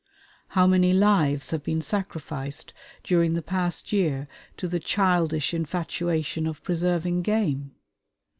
How many lives have been sacrificed during the past year to the childish infatuation of preserving game?